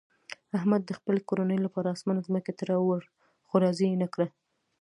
احمد د خپلې کورنۍ لپاره اسمان ځمکې ته راوړ، خو راضي یې نه کړه.